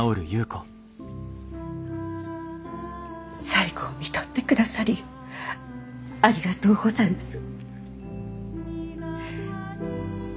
最期をみとってくださりありがとうございます。